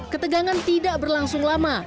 ketegangan tidak berlangsung lama